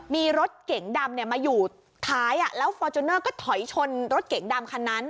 มีรถเก๋งดำมาอยู่ท้ายแล้วฟอร์จูเนอร์ก็ถอยชนรถเก๋งดำคันนั้น